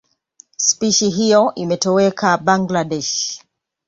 Spishi hiyo imetoweka Bangladesh.